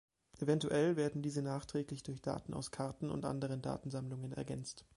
Eventuell werden diese nachträglich durch Daten aus Karten und anderen Datensammlungen ergänzt.